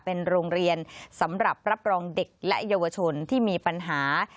เป็นโรงเรียนสำหรับรับรองเด็กและเยาวชนที่มีปัญหา